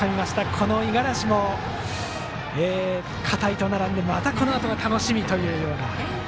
この五十嵐も片井と並んでまたこのあと楽しみという。